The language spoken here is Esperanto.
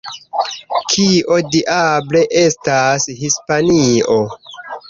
Kio diable estas Hispanio?